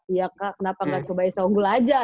iya kak kenapa gak coba s onggul aja